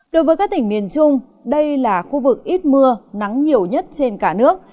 đối với các tỉnh miền trung đây là khu vực ít mưa nắng nhiều nhất trên cả nước